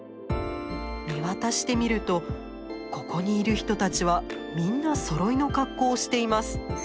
見渡してみるとここにいる人たちはみんなそろいの格好をしています。